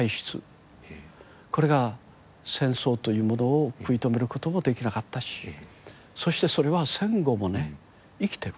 これが戦争というものを食い止めることもできなかったしそしてそれは戦後もね生きてる。